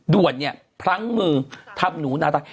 ด่วนเนี่ยพลั้งมือทำหนูนาตา